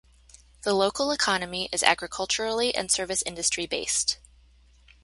The local economy is agriculturally and service industry based.